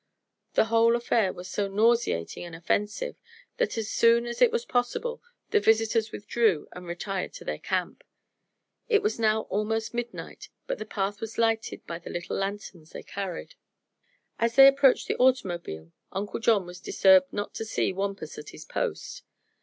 The whole affair was so nauseating and offensive that as soon as it was possible the visitors withdrew and retired to their "camp." It was now almost midnight, but the path was lighted by the little lanterns they carried. As they approached the automobile Uncle John was disturbed not to see Wampus at his post.